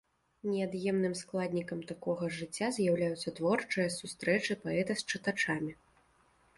Неад'емным складнікам такога жыцця з'яўляюцца творчыя сустрэчы паэта з чытачамі.